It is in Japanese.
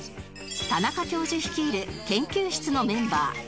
田中教授率いる研究室のメンバー